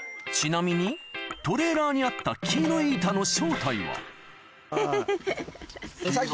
ちなみにトレーラーにあった黄色い板の正体はヘヘヘヘ。